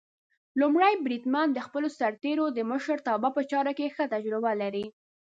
لومړی بریدمن د خپلو سرتېرو د مشرتابه په چارو کې ښه تجربه لري.